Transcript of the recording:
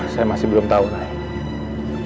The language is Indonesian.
saya masih belum tau nay